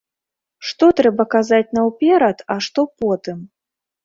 Што трэба казаць наўперад, а што потым?